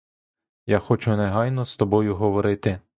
Я хочу негайно з тобою говорити.